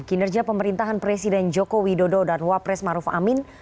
kinerja pemerintahan presiden jokowi dodo dan wapres maruf amin